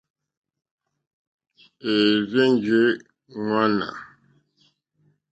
É rzènjé ŋmánà.